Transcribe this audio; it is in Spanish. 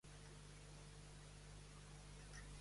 En aquel momento era el edificio más grande de Escocia, y St.